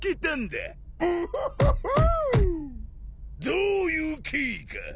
どういう経緯か！